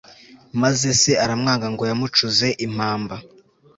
maze se aramwanga ngo yamucuze impamba